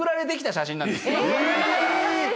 え！